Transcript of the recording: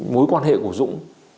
mối quan hệ của dũng